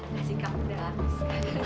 kasih kak udah habis